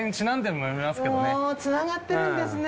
もうつながってるんですね